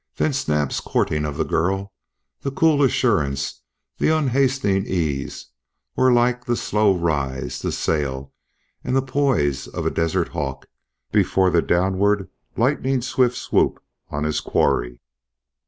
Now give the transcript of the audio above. Then Snap's courting of the girl, the cool assurance, the unhastening ease, were like the slow rise, the sail, and the poise of a desert hawk before the downward lightning swift swoop on his quarry.